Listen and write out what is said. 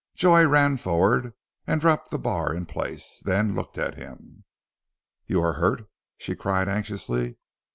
Joy ran forward, and dropped the bar in place, then looked at him. "You are hurt?" she cried anxiously.